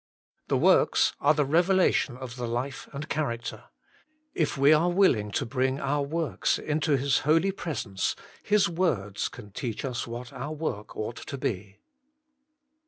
The works are the revelation of the life and character. If we are willing to bring our works into His holy presence, His words can teach us what our work ought to be.